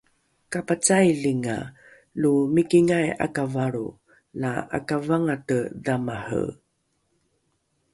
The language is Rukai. kapacailinga lo mikingai ’akavalro la ’akavangate dhamare